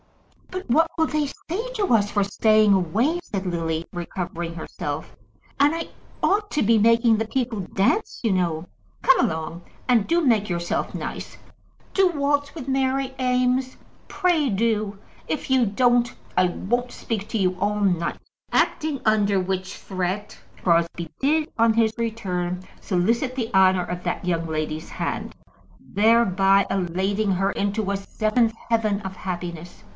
"But what will they say to us for staying away?" said Lily, recovering herself. "And I ought to be making the people dance, you know. Come along, and do make yourself nice. Do waltz with Mary Eames; pray, do. If you don't, I won't speak to you all night!" Acting under which threat, Crosbie did, on his return, solicit the honour of that young lady's hand, thereby elating her into a seventh heaven of happiness.